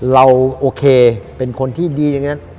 เราโอเคเป็นคนที่ดีอย่างนั้น